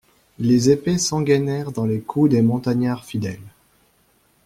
Les épées s'engainèrent dans les cous des montagnards fidèles.